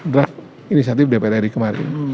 draft inisiatif dpr ri kemarin